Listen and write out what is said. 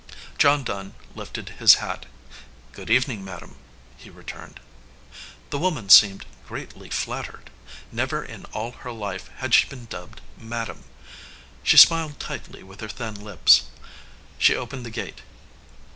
John Dunn lifted his hat. "Good evening, madam," he returned. The woman seemed greatly flattered. Never in all her life had she been dubbed "madam." She smiled tightly with her thin lips. She opened the gate.